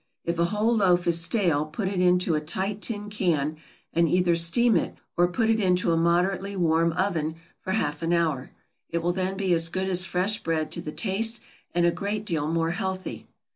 If a whole loaf is stale put it into a tight tin can, and either steam it, or put it into a moderately warm oven for half an hour; it will then be as good as fresh bread to the taste, and a great deal more healthy.